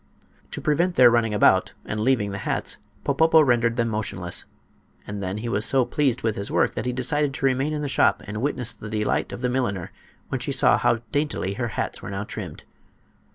To prevent their running about and leaving the hats Popopo rendered them motionless, and then he was so pleased with his work that he decided to remain in the shop and witness the delight of the milliner when she saw how daintily her hats were now trimmed.